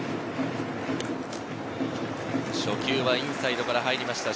初球はインサイドから入りました。